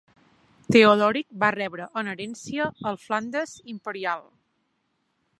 Teodoric va rebre en herència el Flandes imperial.